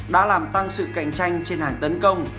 đã làm tăng sự cạnh tranh trên hàng tấn công